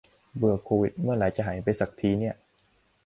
เบื่อโควิด เมื่อไหร่มันจะหายไปสักทีเนี่ย